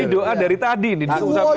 ini doa dari tadi diusapkan